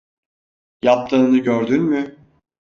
Yaptığını gördün mü?